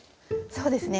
そうですね。